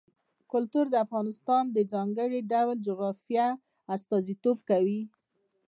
کلتور د افغانستان د ځانګړي ډول جغرافیه استازیتوب کوي.